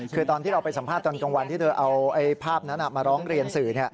คือตอนที่เราไปสัมภาษณ์ตอนกลางวันที่เธอเอาภาพนั้นมาร้องเรียนสื่อ